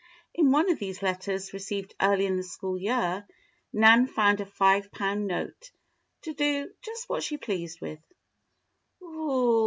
In one of these letters, received early in the school year, Nan found a five pound note "to do just what she pleased with." "Oh!